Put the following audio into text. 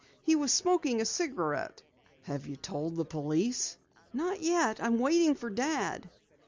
He was smoking a cigarette." "Have you told the police?" "Not yet. I'm waiting for Dad."